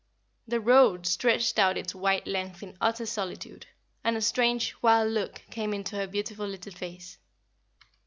The road stretched out its white length in utter solitude, and a strange, wild look came into her beautiful little face.